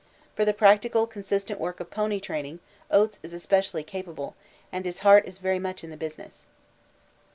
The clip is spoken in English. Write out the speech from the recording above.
For the practical consistent work of pony training Oates is especially capable, and his heart is very much in the business.